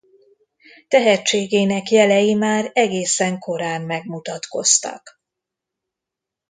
Tehetségének jelei már egészen korán megmutatkoztak.